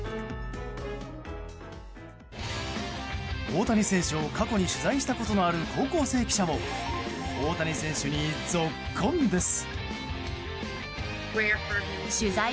大谷選手を過去に取材したことのある高校生記者も大谷選手にぞっこんです。